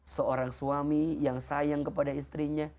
seorang suami yang sayang kepada istrinya